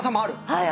はい。